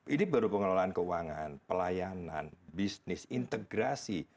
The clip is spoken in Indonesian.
ini baru pengelolaan keuangan pelayanan bisnis integrasi